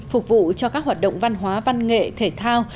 phục vụ cho các hoạt động văn hóa văn nghệ thể thao